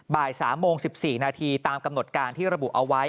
บ่าย๓โมง๑๔นาทีตามกำหนดการที่ระบุเอาไว้